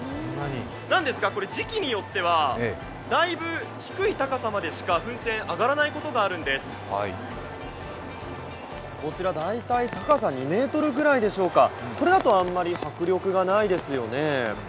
なんですが、これ時期によってはだいぶ低い高さまでしか噴泉、上がらないことがあるんです大体高さ２ｍくらいでしょうか、これだと迫力ありませんよね。